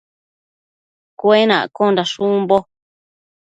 Cuenaccondash umbo